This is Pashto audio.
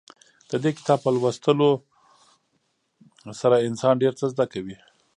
د دې کتاب په لوستلو سره انسان ډېر څه زده کوي.